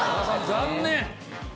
残念。